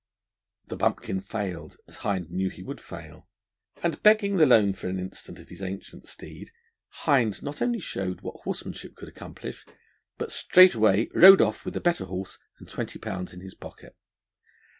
The bumpkin failed, as Hind knew he would fail; and, begging the loan for an instant of his ancient steed, Hind not only showed what horsemanship could accomplish, but straightway rode off with the better horse and twenty pounds in his pocket.